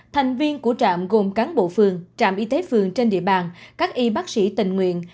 thành viên của trạm gồm cán bộ phường trạm y tế phường trên địa bàn các y bác sĩ tình nguyện